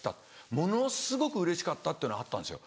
「ものすごくうれしかった」っていうのあったんですよ。